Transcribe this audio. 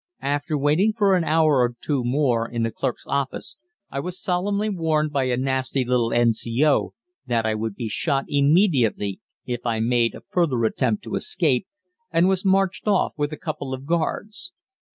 After waiting for an hour or two more in the clerks' office, I was solemnly warned by a nasty little N.C.O. that I would be shot immediately if I made a further attempt to escape, and was marched off with a couple of guards.